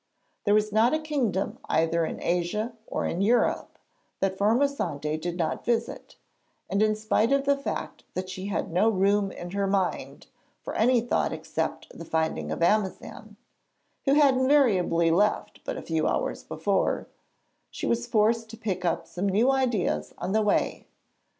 There was not a kingdom either in Asia or in Europe that Formosante did not visit, and in spite of the fact that she had no room in her mind for any thought except the finding of Amazan (who had invariably left but a few hours before), she was forced to pick up some new ideas on the way.